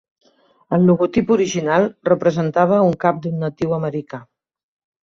El logotip original representava un cap d'un natiu americà.